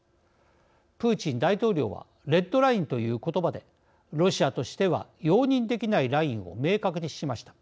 プーチン大統領はレッドラインということばでロシアとしては容認できないラインを明確にしました。